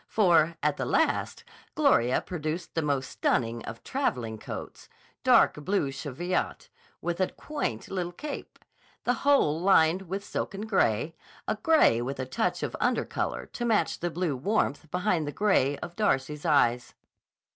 For, at the last, Gloria produced the most stunning of traveling coats, dark blue cheviot, with a quaint little cape, the whole lined with silken gray—a gray with a touch of under color to match the blue warmth behind the gray of Darcy's eyes.